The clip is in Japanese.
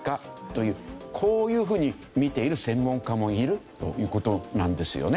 こういうふうに見ている専門家もいるという事なんですよね。